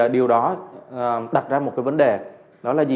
điều đó đặt ra một vấn đề